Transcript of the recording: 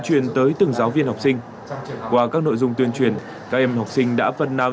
truyền tới từng giáo viên học sinh qua các nội dung tuyên truyền các em học sinh đã phần nào